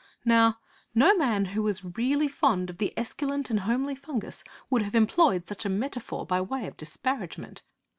Now no man who was really fond of the esculent and homely fungus would have employed such a metaphor by way of disparagement.